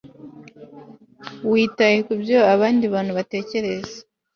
Witaye kubyo abandi bantu batekereza